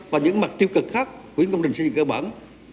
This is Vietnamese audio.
và những mặt tiêu cực khác của những công trình xây dựng cơ bản